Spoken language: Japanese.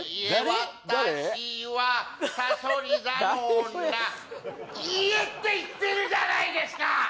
私はさそり座の女「いいえ」って言ってるじゃないですか